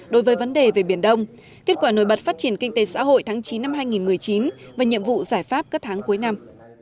đối với vấn đề về biển đông kết quả nổi bật phát triển kinh tế xã hội tháng chín năm hai nghìn một mươi chín và nhiệm vụ giải pháp các tháng cuối năm